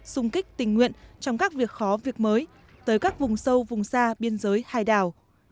xung kích tình nguyện trong các việc khó việc mới tới các vùng sâu vùng xa biên giới hải đảo